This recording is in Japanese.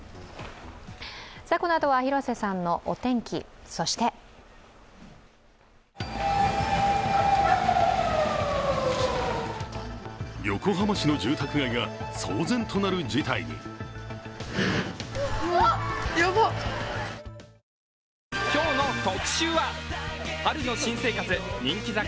このあとは広瀬さんのお天気、そして横浜市の住宅街が騒然となる事態に。いってらっしゃい！いってきます！